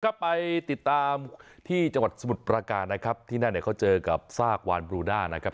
ครับไปติดตามที่จังหวัดสมุทรประการนะครับที่นั่นเนี่ยเขาเจอกับซากวานบลูน่านะครับ